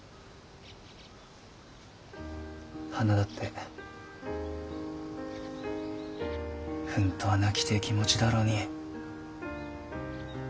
はなだって本当は泣きてえ気持ちだろうに。